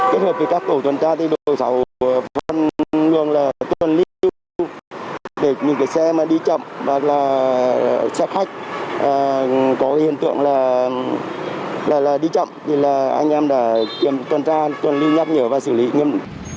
kết hợp với các tổ tuần tra tổ sở phân luồng là tuần lưu để những cái xe mà đi chậm và là xe khách có hiện tượng là đi chậm thì là anh em đã kiểm tra tuần lưu nhấp nhở và xử lý nghiêm